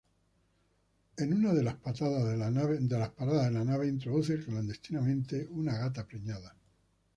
En una de las paradas de la nave introduce clandestinamente una gata preñada.